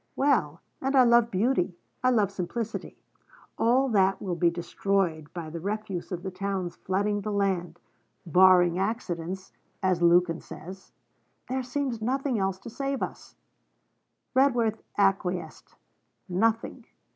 Well, and I love beauty, I love simplicity. All that will be destroyed by the refuse of the towns flooding the land barring accidents, as Lukin says. There seems nothing else to save us.' Redworth acquiesced. 'Nothing.'